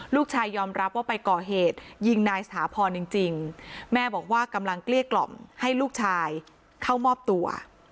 ยอมรับว่าไปก่อเหตุยิงนายสถาพรจริงแม่บอกว่ากำลังเกลี้ยกล่อมให้ลูกชายเข้ามอบตัว